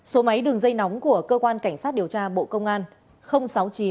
số máy đường dây nóng của cơ quan cảnh sát điều tra bộ công an